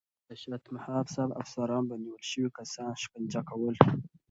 د شاه طهماسب افسرانو به نیول شوي کسان شکنجه کول.